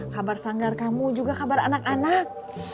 kabar sanggar kamu juga kabar anak anak